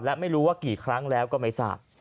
และไม่รู้ว่ากี่ครั้งแล้วก็ไม่ทราบ